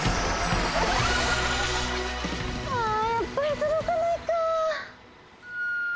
あやっぱりとどかないかぁ。